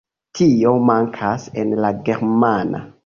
Tio mankas en la germana.